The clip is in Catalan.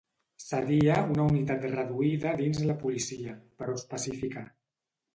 Seria una unitat reduïda dins la policia, però específica.